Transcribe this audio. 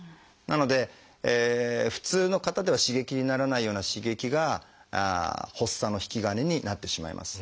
なので普通の方では刺激にならないような刺激が発作の引き金になってしまいます。